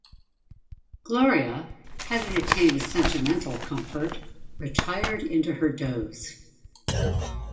Gloria, having attained sentimental comfort, retired into her doze.